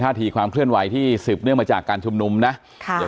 ทีความเคลื่อนไหวที่สืบเนื่องมาจากการชุมนุมนะค่ะเดี๋ยว